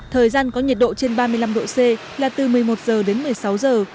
thời gian có nhiệt độ trên ba mươi năm độ c là từ một mươi một giờ đến một mươi sáu giờ